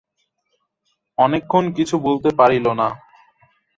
অনেক্ষণ কিছু বলিতে পারিল না।